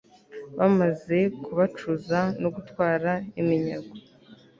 bamaze kubacuza no gutwara iminyago